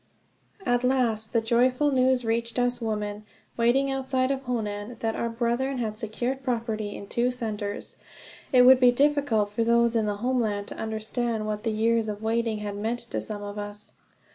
At last the joyful news reached us women, waiting outside of Honan, that our brethren had secured property in two centers. It would be difficult for those in the homeland to understand what the years of waiting had meant to some of us.